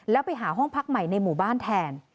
แล้วไปหาห้องพักใหม่ในหมู่บ้านแทน